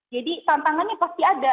jadi tantangannya pasti ada